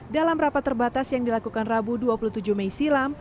dalam rapat terbatas yang dilakukan rabu dua puluh tujuh mei silam